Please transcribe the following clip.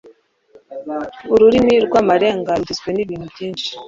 Ururimi rw’amarenga rugizwe n’ibintu byinshi